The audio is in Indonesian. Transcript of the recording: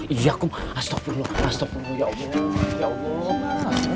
iya kum astaghfirullah astaghfirullah ya allah ya allah